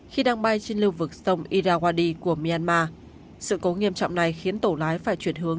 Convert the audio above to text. khi đang bay trên lưu vực sông idawadi của myanmar sự cố nghiêm trọng này khiến tổ lái phải chuyển hướng